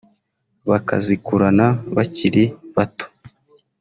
bakazikurana bakiri bato